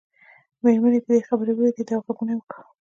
مېرمنې په دې خبره ووېرېدې او غږونه یې وکړل.